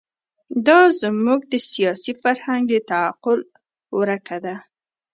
دا زموږ د سیاسي فرهنګ د تعقل ورکه ده.